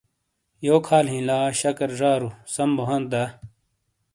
یوک حال ہِیں لا شَکر زارو سَم بو ہانت دا ؟